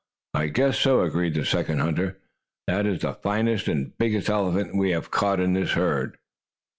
"I guess so," agreed the second hunter. "That is the finest and biggest elephant we have caught in this herd."